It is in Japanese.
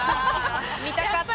見たかった。